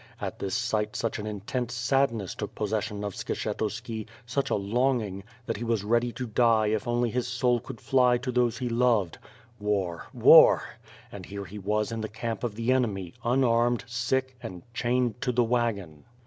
At this sight such an intense sadness took possession of Skshetuski, such a longing, that he was ready to die if only his soul could fly to those he loved. War! War! and here he was in the camp of the enemy, unarmed, sick, and chained to the wagon.